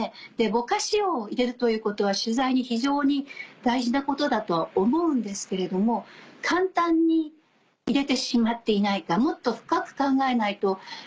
ぼかしを入れるということは取材に非常に大事なことだとは思うんですけれども簡単に入れてしまっていないかもっと深く考えないとテレビというのは映像が主体となる媒体ですので